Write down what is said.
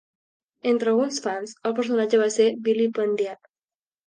Entre alguns fans, el personatge va ser vilipendiat.